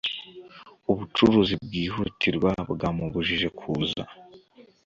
Ubucuruzi bwihutirwa bwamubujije kuza.